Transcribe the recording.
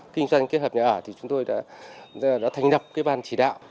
kinh doanh kết hợp nhà ở thì chúng tôi đã thành lập cái ban chỉ đạo